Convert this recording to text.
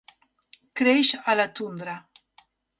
Creix a la tundra.